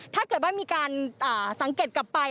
ถ้าเกิดว่ามีการสังเกตกลับไป